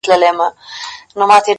زما خو زړه دی زما ځان دی څه پردی نه دی،